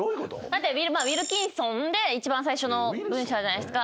だってウィルキンソンで一番最初の文章じゃないっすか。